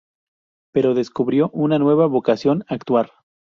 Pero descubrió una nueva vocación, actuar.